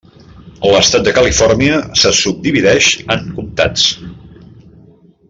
L'estat de Califòrnia se subdivideix en comtats.